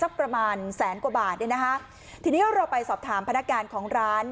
ประมาณแสนกว่าบาทเนี่ยนะคะทีนี้เราไปสอบถามพนักงานของร้าน